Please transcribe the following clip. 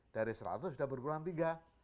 dari seratus sudah berkurang tiga